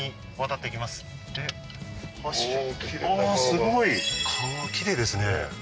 すごい川きれいですね